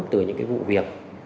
từ những cái vụ việc